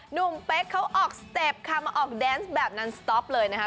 เป๊กเขาออกสเต็ปค่ะมาออกแดนส์แบบนั้นสต๊อปเลยนะคะ